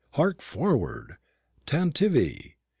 hark forward! tantivy!